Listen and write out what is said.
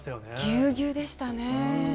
ぎゅうぎゅうでしたね。